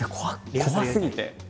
怖すぎて。